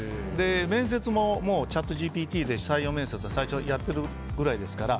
面接ももうチャットＧＰＴで採用面接は最初やっているくらいですから。